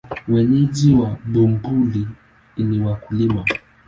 Wenyeji wa Bumbuli ni wakulima.